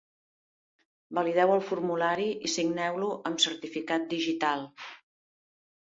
Valideu el formulari i signeu-lo amb certificat digital.